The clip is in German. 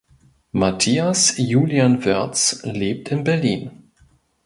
Matthias Julian Wörz lebt in Berlin.